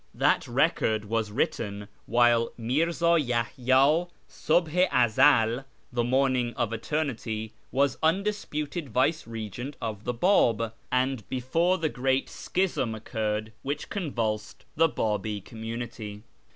That record was written while Mi'rza Yahya, Suhh i Ezd (" the Morning of Eternity") was undisputed vicegerent of the Bab, and before the great schism occurred which convulsed the Babi community.